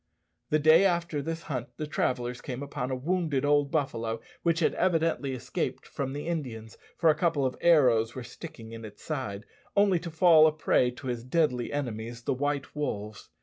The day after this hunt the travellers came upon a wounded old buffalo which had evidently escaped from the Indians (for a couple of arrows were sticking in its side), only to fall a prey to his deadly enemies, the white wolves.